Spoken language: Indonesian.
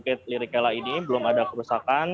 ke lirikela ini belum ada kerusakan